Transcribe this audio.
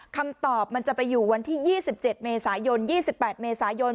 คำตอบมันจะไปอยู่วันที่ยี่สิบเจ็ดเมษายนยี่สิบแปดเมษายน